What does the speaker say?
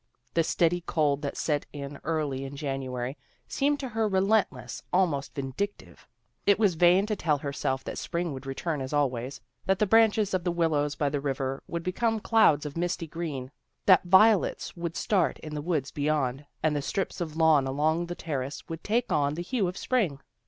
The steady cold that set in early in January seemed to her relentless, almost vin dictive. It was vain to tell herself that spring would return as always, that the branches of the willows by the river would become clouds of misty green, that violets would start in the woods beyond, and the strips of lawn along the Terrace would take on the hue of spring.